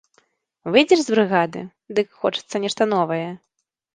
Выйдзеш з брыгады, дык хочацца нешта новае.